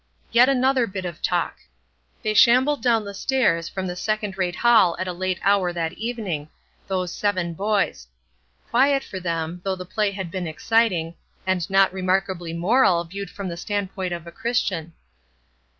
Yet another bit of talk. They shambled down the stairs, from the second rate hall at a late hour that evening those seven boys; quiet for them, though the play had been exciting, and not remarkably moral "viewed" from the standpoint of a Christian.